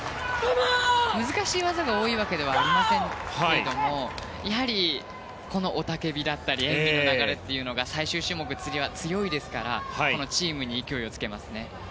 難しい技が多いわけではありませんけれどもこの雄たけびだったり演技の流れというのが最終種目、次は強いですからチームに勢いをつけますね。